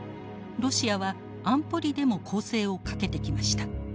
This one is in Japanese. ロシアは安保理でも攻勢をかけてきました。